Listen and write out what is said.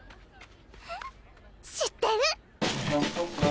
ん知ってる。